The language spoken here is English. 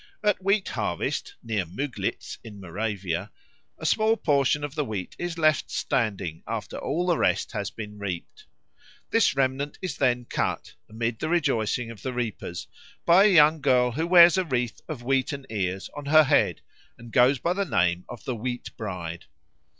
At wheat harvest near Müglitz, in Moravia, a small portion of the wheat is left standing after all the rest has been reaped. This remnant is then cut, amid the rejoicing of the reapers, by a young girl who wears a wreath of wheaten ears on her head and goes by the name of the Wheat bride.